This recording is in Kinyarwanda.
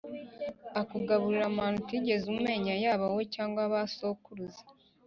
akugaburira manu utigeze umenya, yaba wowe cyangwa ba sokuruza,